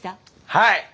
はい！